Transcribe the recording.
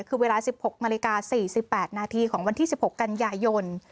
คือเวลา๑๖นาฬิกา๔๘นาทีของวันที่๑๖กันยายน